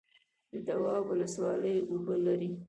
د دواب ولسوالۍ اوبه لري